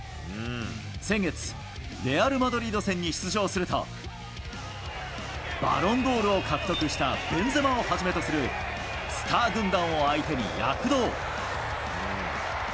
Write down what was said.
先月、レアル・マドリード戦に出場すると、バロンドールを獲得したベンゼマをはじめとするスター軍団を相手に躍動。